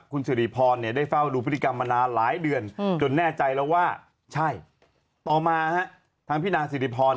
คุณสิริพรได้เฝ้าดูพฤติกรรมมานานหลายเดือนจนแน่ใจแล้วว่าใช่ต่อมาทางพี่นางสิริพร